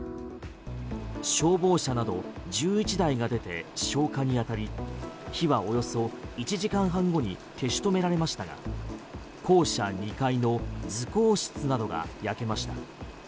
消防車など１１台が出て消火に当たり火はおよそ１時間半後に消し止められましたが校舎２階の図工室などが焼けました。